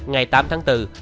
ngày tám tháng bốn